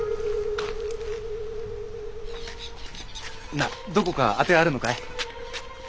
なあどこか当てはあるのかい？